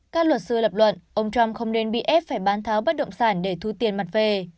các luật sư lập luận ông trump không nên bị ép phải bán tháo bất động sản để thu tiền mặt về